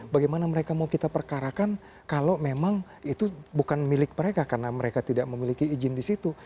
bagaimana mereka mau kita perkarakan kalau memang itu bukan milik mereka karena mereka tidak memiliki izin di situ